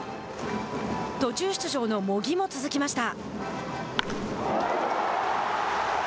途中出場の茂木も続きました。